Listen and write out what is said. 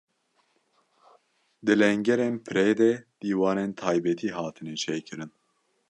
Di lengerên pirê de dîwarên taybetî hatine çêkirin.